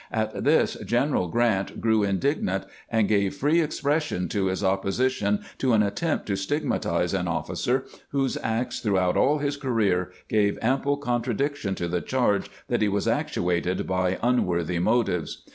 At this General Grant grew indig nant, and gave free expression to his opposition to an attempt to stigmatize an officer whose acts throughout all his career gave ample contradiction to the charge that he was actuated by unworthy motives.